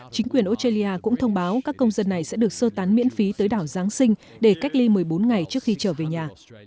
chính quyền australia cũng thông báo các công dân này sẽ được sơ tán miễn phí tới đảo giáng sinh để cách ly một mươi bốn ngày trước khi trở về nhà